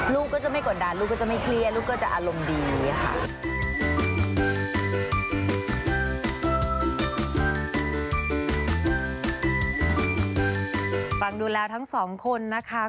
ลูกก็จะไม่กดดันลูกก็จะไม่เครียดลูกก็จะอารมณ์ดีค่ะ